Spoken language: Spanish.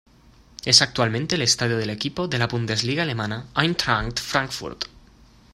Es actualmente el estadio del equipo de la Bundesliga alemana Eintracht Frankfurt.